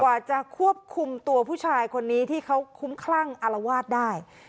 กว่าจะควบคุมตัวผู้ชายคนนี้ที่เขาคุ้มคลั่งอารวาสได้